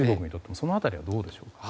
その辺りはどうなんでしょう。